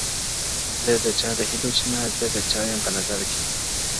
زه د چا د هیلو چينه _ زه د چا یم په نظر کي _